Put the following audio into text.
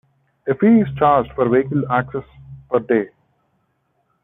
A fee is charged for vehicle access per day.